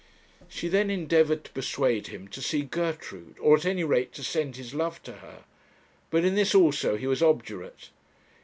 She then endeavoured to persuade him to see Gertrude, or at any rate to send his love to her. But in this also he was obdurate.